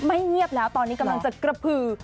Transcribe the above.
เงียบแล้วตอนนี้กำลังจะกระพือ